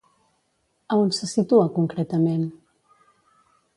A on se situa concretament?